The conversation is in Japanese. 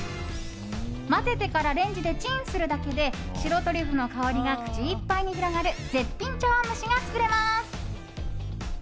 混ぜてからレンジでチンするだけで白トリュフの香りが口いっぱいに広がる絶品茶碗むしが作れます。